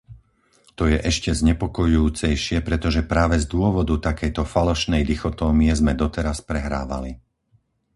To je ešte znepokojujúcejšie, pretože práve z dôvodu takejto falošnej dichotómie sme doteraz prehrávali.